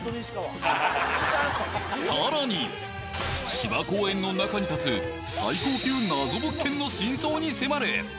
更に、芝公園の中に立つ最高級謎物件の真相に迫る。